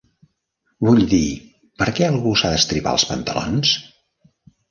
Vull dir, per què algú s'ha d'estripar els pantalons?